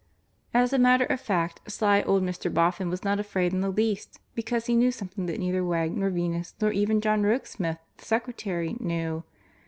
As a matter of fact, sly old Mr. Boffin was not afraid in the least, because he knew something that neither Wegg nor Venus, nor even John Rokesmith, the secretary, knew.